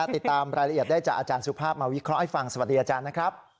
ติดตามรายละเอียดได้จากอาจารย์สุภาพมาวิเคราะห์ให้ฟังสวัสดีอาจารย์นะครับ